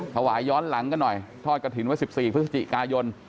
ถวายย้อนหลังกันหน่อยทอดกระถิ่นไว้๑๔พฤศจิกายน